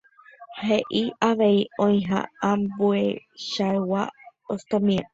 Hei avei oĩha ambueichagua ostomía.